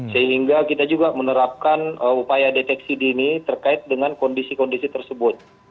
sehingga kita juga menerapkan upaya deteksi dini terkait dengan kondisi kondisi tersebut